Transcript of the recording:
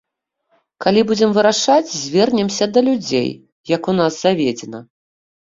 Калі будзем вырашаць, звернемся да людзей, як у нас заведзена.